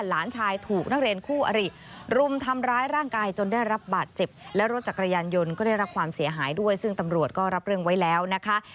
หลานชายถูกนักเรียนคู่อริรุมทำร้ายร่างกายจนได้รับบาดเจ็บและรถจักรยานยนต์ก็ได้รับความเสียหายด้วยซึ่งตำรวจก็รับเรื่องไว้แล้วนะคะ